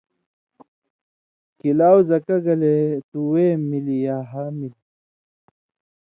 کِلاٶ زکہ گلے تُو وے ملی یا ہا ملی